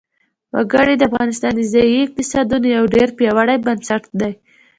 وګړي د افغانستان د ځایي اقتصادونو یو ډېر پیاوړی بنسټ دی.